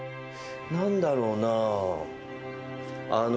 何だろうな。